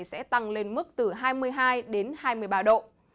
sẽ tăng lên mức từ hai mươi hai đến hai mươi ba độ